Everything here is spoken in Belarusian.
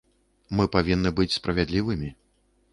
Мы павінны быць справядлівымі.